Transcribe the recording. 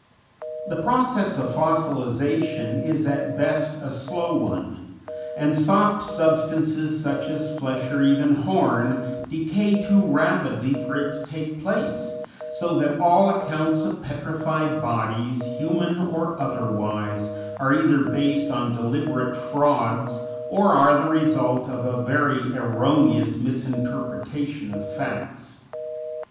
The process of fossilization is at best a slow one, and soft substances such as flesh, or even horn, decay too rapidly for it to take place, so that all accounts of petrified bodies, human or otherwise, are either based on deliberate frauds or are the result of a very erroneous misinterpretation of facts.